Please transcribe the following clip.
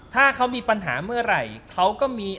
ถ้าเขามีปัญหาเมื่อไหร่เขาก็มี